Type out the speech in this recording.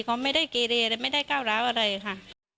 เขาไม่ได้เกเลอะไรไม่ได้ก้าวร้าวอะไรค่ะ